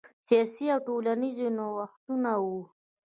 سیاسي او ټولنیز نوښتونه وو.